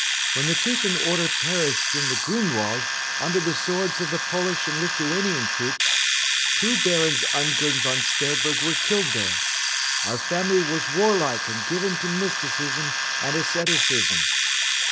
When the Teuton Order perished in the Grunwald under the swords of the Polish and Lithuanian troops, two Barons Ungern von Sternberg were killed there. Our family was warlike and given to mysticism and asceticism.